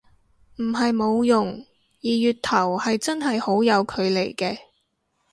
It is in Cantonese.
唔係冇用，二月頭係真係好有距離嘅